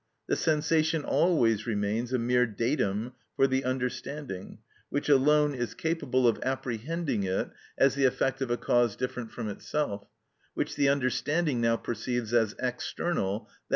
The sensation always remains a mere datum for the understanding, which alone is capable of apprehending it as the effect of a cause different from itself, which the understanding now perceives as external, _i.